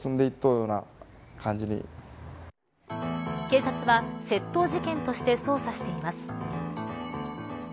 警察は窃盗事件として捜査しています。